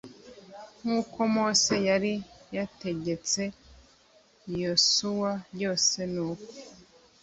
nk uko mose yari yategetse yosuwa byose nuko